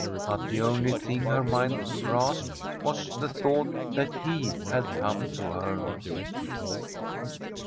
But the only thing her mind could grasp was the thought that he had come to her.